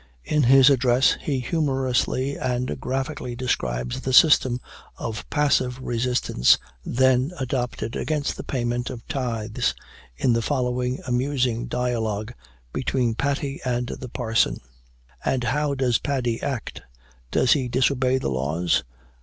In his address, he humorously and graphically describes the system of passive resistance then adopted against the payment of Tithes, in the following amusing dialogue between Paddy and the parson: "And how does Paddy act? Does he disobey the laws?